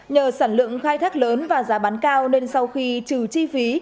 nhờ sản lượng khai thác lớn và giá bán cao nên sau khi trừ chi phí